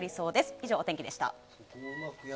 以上、お天気でした。